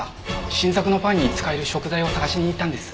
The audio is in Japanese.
新作のパンに使える食材を探しに行ったんです。